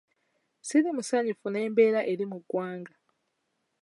Siri musanyufu n'embeera eri mu ggwanga.